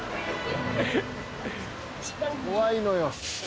怖いのよ。